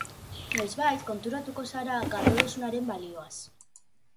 Noizbait konturatuko zara galdu duzunaren balioaz.